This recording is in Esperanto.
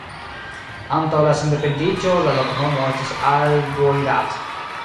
Antaŭ la sendependiĝo la loknomo estis Al-Boirat.